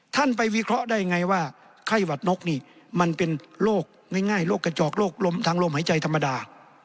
ท่านไปวิเคราะห์ได้ไงว่าไข้หวัดนกนี่มันเป็นโรคง่ายโรคกระจอกโรคลมทางลมหายใจธรรมดา